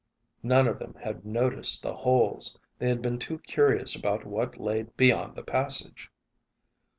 None of them had noticed the holes. They had been too curious about what lay beyond the passage.